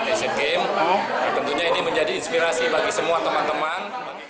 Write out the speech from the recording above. asian games tentunya ini menjadi inspirasi bagi semua teman teman